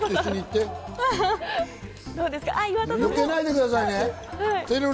よけないでくださいね。